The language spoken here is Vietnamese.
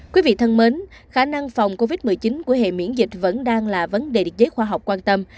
quý vị thân mến khả năng phòng covid một mươi chín của hệ miễn dịch vẫn đang là vấn đề được giới khoa học quan tâm